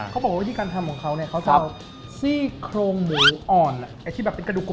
ต้องบอกว่าที่คนทำของเขาเนี่ยครับซีย์ครงหมูอ่อนไอที่แบบมีกระดูก